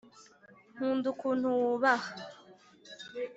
nkunda ukuntu wubaha.